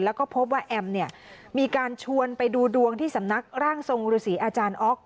แล้วก็พบว่าแอมเนี่ยมีการชวนไปดูดวงที่สำนักร่างทรงฤษีอาจารย์อ๊อก